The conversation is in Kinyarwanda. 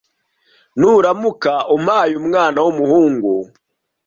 Nuramuka umpaye umwana w’umuhungu